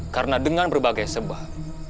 karena dengan berbagai sebuah